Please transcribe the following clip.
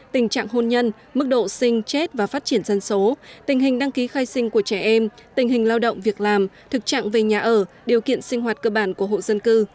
tình trạng hôn nhân mức độ sinh chết và phát triển dân số tình hình đăng ký khai sinh của trẻ em tình hình lao động việc làm thực trạng về nhà ở điều kiện sinh hoạt cơ bản của hộ dân cư